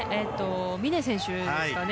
峰選手ですかね。